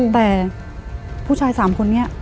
แต่ผู้ชาย๓คนนี้